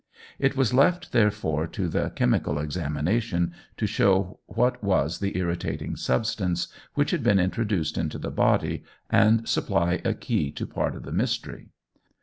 It was left therefore to the chemical examination to show what was the irritating substance which had been introduced into the body, and supply a key to part of the mystery.